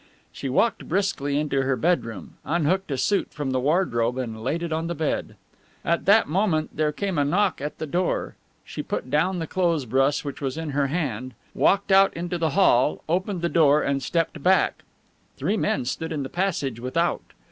She walked briskly into her bedroom, unhooked a suit from the wardrobe and laid it on the bed. At that moment there came a knock at the door. She put down the clothes brush which was in her hand, walked out into the hall, opened the door and stepped back. Three men stood in the passage without.